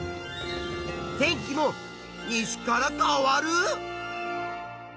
天気も西から変わる！？